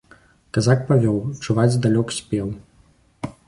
Казак павёў, чуваць здалёк спеў.